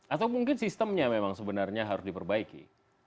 atau mungkin sistemnya memang sebenarnya harus diperbaiki